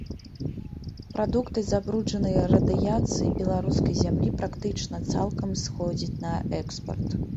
Прадукты з забруджанай радыяцыяй беларускай зямлі практычна цалкам сыходзяць на экспарт.